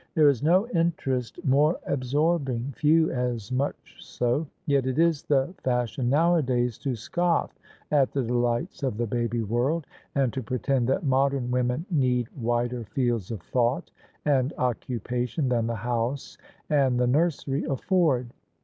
There is no interest more absorbing — few as much so; yet it is the fash ion nowadays to scoff at the delights of the baby world, and to pretend that modern women need wider fields of thought and occupation than the house and the nursery afford.